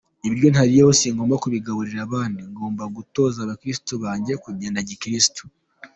Ibiryo ntariye singomba kubigaburira abandi, ngomba gutoza abakristo banjye kugenda gikiristo.